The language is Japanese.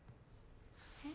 えっ？